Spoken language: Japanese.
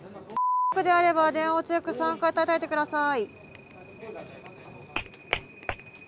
外にいれば電話を強く３回たたいて下さい。